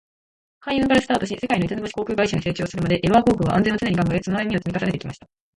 海運からスタートし、世界の五つ星航空会社に成長するまで、エバー航空は「安全」を常に考え、その歩みを積み重ねてきました。